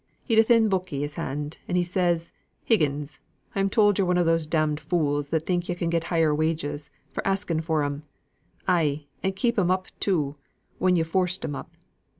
He'd a thin book i' his hand, and says he, 'Higgins, I'm told you're one o' those damned fools that think you can get higher wages for asking for 'em; ay, and keep 'em up too, when you've forced 'em up.